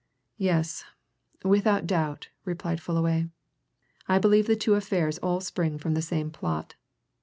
"Yes without doubt," replied Fullaway. "I believe the two affairs all spring from the same plot.